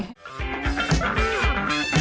โปรดติดตามตอนต่อไป